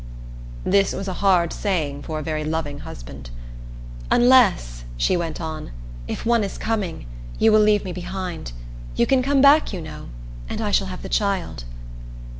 This was a hard saying for a very loving husband. "Unless," she went on, "if one is coming, you will leave me behind. You can come back, you know and I shall have the child."